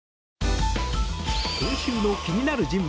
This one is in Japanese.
今週の気になる人物